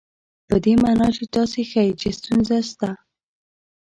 په دې مانا چې تاسې ښيئ چې ستونزه شته.